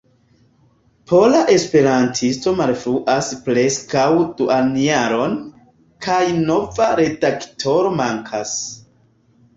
Pola Esperantisto malfruas preskaŭ duonjaron, kaj nova redaktoro mankas.